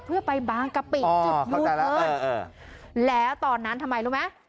เพื่อไปบางกะปิจุดยูเทิร์นแล้วตอนนั้นทำไมรู้ไหม